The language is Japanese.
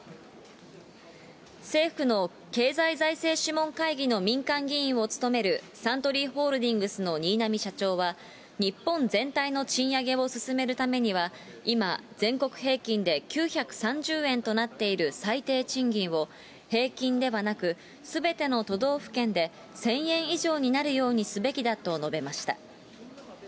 政府の経済財政諮問会議の民間議員を務めるサントリーホールディングスの新浪社長は、日本全体の賃上げを進めるためには今、全国平均で９３０円となっている最低賃金を、平均ではなく、すべての都道府県で１０００円以上になるようにすべきだと述べました。